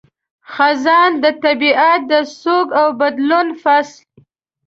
خزان – د طبیعت د سوګ او بدلون فصل